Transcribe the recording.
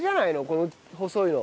この細いの。